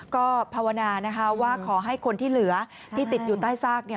ก็ภาวนานะคะว่าขอให้คนที่เหลือที่ติดอยู่ใต้ซาก